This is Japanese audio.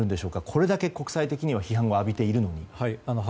これだけ国際的には批判を浴びているのに。